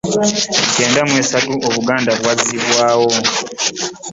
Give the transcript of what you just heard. Mu kyenda mu esatu Obuganda bwazzibwawo.